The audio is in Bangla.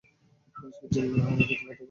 মানুষকে জীর্ণ হাড় খেতে বাধ্য করল।